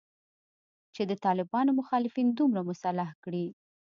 چې د طالبانو مخالفین دومره مسلح کړي